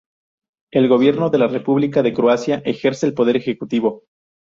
El Gobierno de la República de Croacia ejerce el poder ejecutivo.